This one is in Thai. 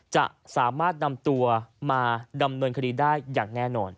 จะสามารถนำตัวมาดำเนินคดีได้อย่างแน่นอน